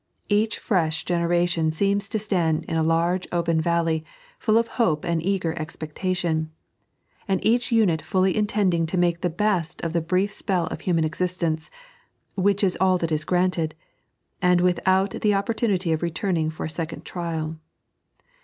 Each fresh genera tion seems to stand in a large, open valley, full of hope and eager expectation ; and each unit fully intending to make the best of the brief spell of human existence, which is all that is granted, and without the opportunity of returning for a second trial.